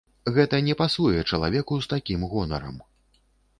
Гэта не пасуе чалавеку з такім гонарам.